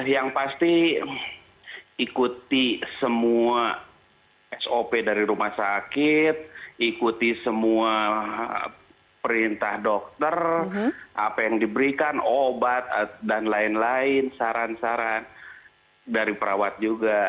yang pasti ikuti semua sop dari rumah sakit ikuti semua perintah dokter apa yang diberikan obat dan lain lain saran saran dari perawat juga